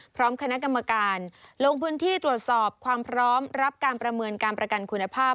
พร้อมคณะกรรมการลงพื้นที่ตรวจสอบความพร้อมรับการประเมินการประกันคุณภาพ